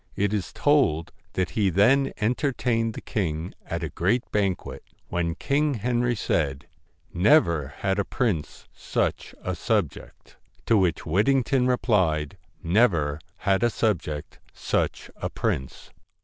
It is told that he then entertained the king at a great banquet, when King Henry said: 'Never had a prince such a subject.' To which Whitting ton replied :' Never had a subject such a prince.'